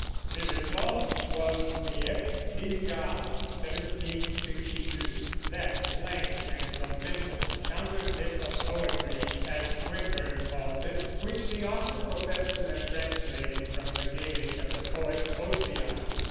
The result was the epic Fingal (1762), "that lank and lamentable counterfeit of poetry," as Swinburne calls it, which the author professed to have translated from the Gaelic of the poet Ossian.